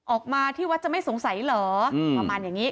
ออกมาที่วัดจะไม่สงสัยเหรอประมาณอย่างนี้